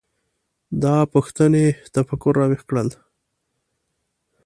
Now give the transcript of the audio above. دا پوښتنې تفکر راویښ کړل.